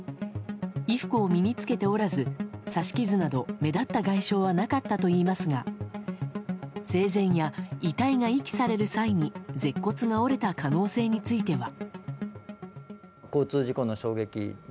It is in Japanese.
衣服を身に着けておらず刺し傷など目立った外傷はなかったといいますが生前や遺体が遺棄される際に舌骨が折れた可能性については。